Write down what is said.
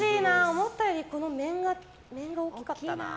思ったより面が大きかったな。